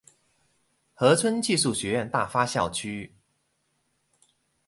和春技術學院大發校區